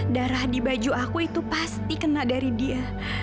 darah di baju aku itu pasti kena dari dia